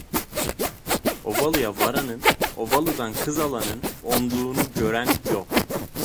Ovalıya varanın, ovalıdan kız alanın onduğunu gören yok.